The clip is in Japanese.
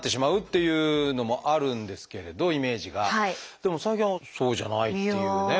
でも最近はそうじゃないっていうね。